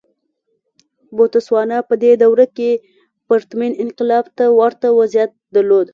بوتسوانا په دې دوره کې پرتمین انقلاب ته ورته وضعیت درلود.